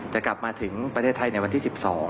จะกลับมาถึงประเทศไทยในวันที่๑๒